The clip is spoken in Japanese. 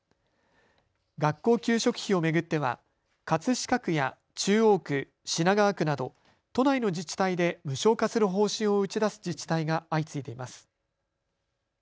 学校給食費を巡っては葛飾区や中央区、品川区など都内の自治体で無償化する方針を打ち出す自治体が相次いでいます。